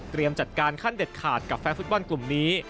จัดการขั้นเด็ดขาดกับแฟนฟุตบอลกลุ่มนี้